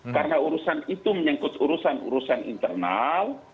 karena urusan itu menyangkut urusan urusan internal